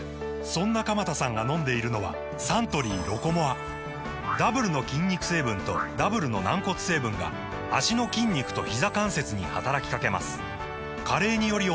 そんな鎌田さんが飲んでいるのはサントリー「ロコモア」ダブルの筋肉成分とダブルの軟骨成分が脚の筋肉とひざ関節に働きかけます加齢により衰える歩く速さを維持することが報告されています